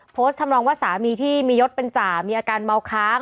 ทำนองว่าสามีที่มียศเป็นจ่ามีอาการเมาค้าง